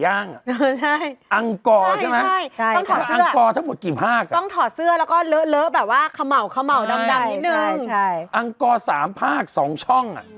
อังกฎ๓ภาค๒ช่อง